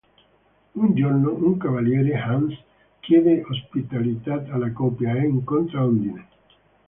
Un giorno un cavaliere, Hans, chiede ospitalità alla coppia e incontra Ondine.